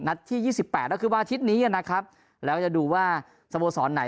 นัดที่๒๘นคือวันอาทิตย์นี้นะครับแล้วจะดูว่าสโมสรไหน